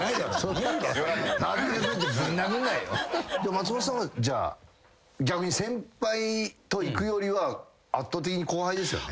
松本さんはじゃあ逆に先輩と行くよりは圧倒的に後輩ですよね？